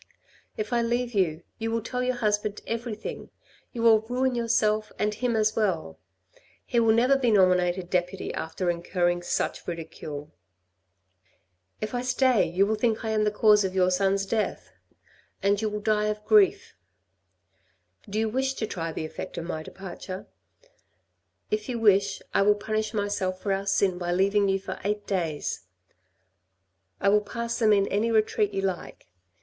If I leave you you will tell your husband everything. You will ruin yourself and him as well. He will never be nominated deputy after incurring such ridicule. If I stay, you will think I am the cause of your son's death, and THINKING PRODUCES SUFFERING 121 you will die of grief. Do you wish to try the effect of my departure. If you wish, I will punish myself for our sin by leaving you for eight days. I will pass them in any retreat you like.